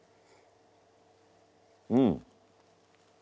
うん！